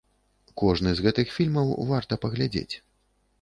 Кожны з гэтых фільмаў варта паглядзець.